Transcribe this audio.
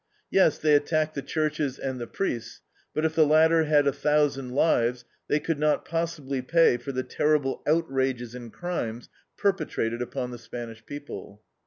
Yes, they attacked the churches and the priests, but if the latter had a thousand lives, they could not possibly pay for the terrible outrages and crimes perpetrated upon the Spanish people.